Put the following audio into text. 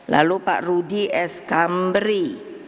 lalu pak rudy s kamberi